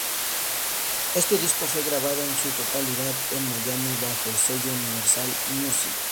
Este disco fue grabado en su totalidad en Miami bajo el sello Universal Music.